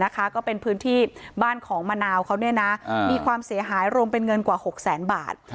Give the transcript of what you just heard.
ก็เป็นพื้นที่บ้านของมะนาวเขามีความเสียหายรวมเป็นเงินกว่า๖แสนบาท